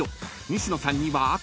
西野さんには赤］